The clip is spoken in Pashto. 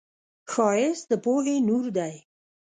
ښایست د پوهې نور دی